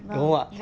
đúng không ạ